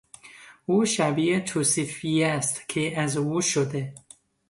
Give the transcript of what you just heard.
او شبیه توصیفی است که از او شده.